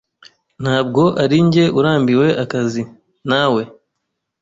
Ntabwo arinjye urambiwe akazi. Na we.